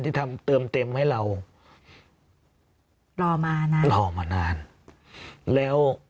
ที่ทำเติมเต็มให้เรารอมานะ